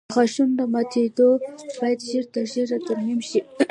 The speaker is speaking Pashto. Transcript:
د غاښونو ماتېدل باید ژر تر ژره ترمیم شي.